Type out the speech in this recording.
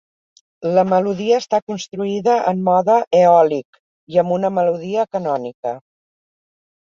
La melodia està construïda en mode eòlic i amb una melodia canònica.